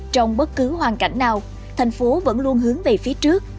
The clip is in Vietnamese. trong bất cứ hoàn cảnh nào thành phố vẫn luôn hướng về phía trước